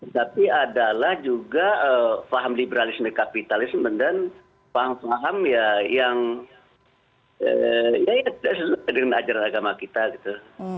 tapi adalah juga paham liberalisme kapitalisme dan paham paham ya yang ya tidak sesuai dengan ajaran agama kita gitu